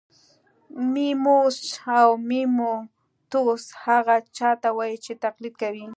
میموس او میموتوس هغه چا ته وايي چې تقلید کوي